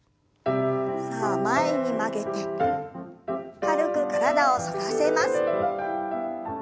さあ前に曲げて軽く体を反らせます。